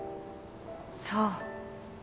そう。